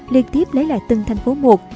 liên tiếp lấy lại từng thành phố một